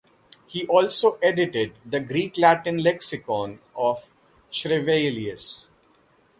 He also edited the Greek-Latin Lexicon of Schrevelius.